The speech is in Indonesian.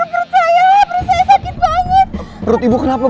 perut ibu kenapa bu